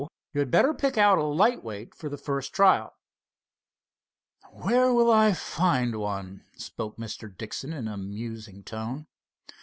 You had better pick out a lightweight for the first trial." "Where will I find one?" spoke Mr. Dixon in a musing tone.